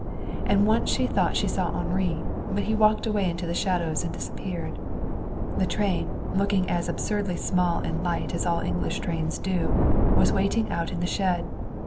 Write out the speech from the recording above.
And once she thought she saw Henri, but he walked away into the shadows and disappeared. The train, looking as absurdly small and light as all English trains do, was waiting out in the shed.